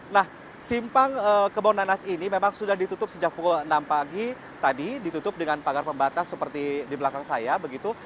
nah simpang kebonanas ini memang sudah ditutup sejak pukul enam pagi tadi ditutup dengan pagar pembatas seperti di belakang saya begitu